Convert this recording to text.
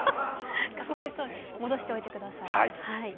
戻しておいてください。